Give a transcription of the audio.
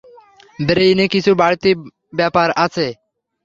ব্রেইনে কিছু বাড়তি ব্যাপার আছে।